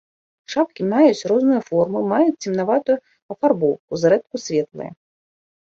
Шапкі маюць розную форму, маюць цемнаватую афарбоўку, зрэдку светлыя.